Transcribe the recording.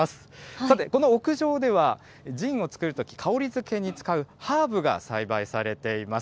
さて、この屋上では、ジンを造るとき、香りづけに使うハーブが栽培されています。